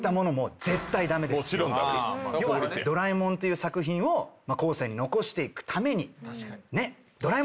要は『ドラえもん』という作品を後世に残していくためにね。